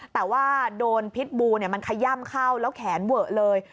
แต่ว่าโดนพิษบูมันขย่ำเข้าแล้วแขนเวอะเลย